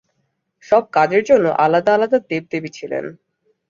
সব কাজের জন্য আলাদা আলাদা দেব-দেবী ছিলেন।